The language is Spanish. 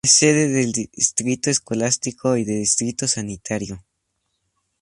Es sede del distrito escolástico y de distrito sanitario.